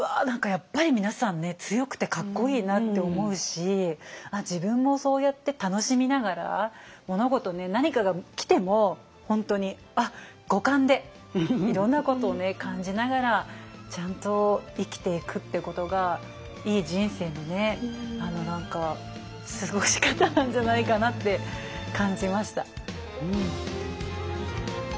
何かやっぱり皆さんね強くてかっこいいなって思うし自分もそうやって楽しみながら物事何かが来ても本当に五感でいろんなことを感じながらちゃんと生きていくっていうことがいい人生の過ごし方なんじゃないかなって感じました。